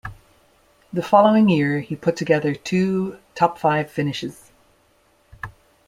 The following year, he put together two top-five finishes.